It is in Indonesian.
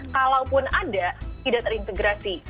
kalaupun ada tidak terintegrasi